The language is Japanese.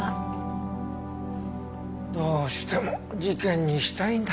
どうしても事件にしたいんだ？